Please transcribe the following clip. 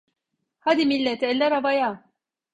Hadi millet, eller havaya!